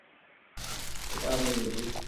এটা আমি, মেরি।